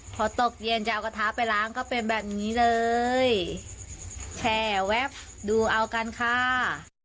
พอตกเย็นจะเอากระทะไปล้างก็เป็นแบบนี้เลยแชร์แวบดูเอากันค่ะ